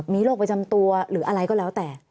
มีโรคประจำตัวหรืออะไรก็แล้วแต่